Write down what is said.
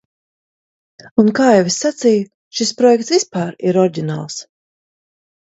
Un, kā jau es sacīju, šis projekts vispār ir oriģināls.